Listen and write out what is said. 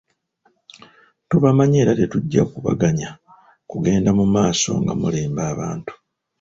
Tubamanyi era tetujja kubaganya kugenda mu maaso nga mulimba abantu.